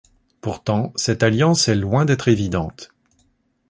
Pourtant, cette alliance est loin d'être évidente.